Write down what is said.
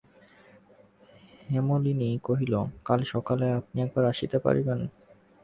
হেমনলিনী কহিল, কাল সকালে আপনি একবার আসিতে পারিবেন?